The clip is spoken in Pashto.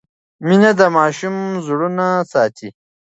مینه د ماشوم زړونه ساتي.